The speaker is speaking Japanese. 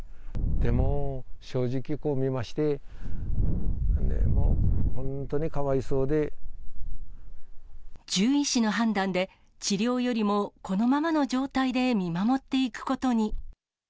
でも正直、こう見まして、獣医師の判断で、治療よりもこのままの状態で見守っていくことに。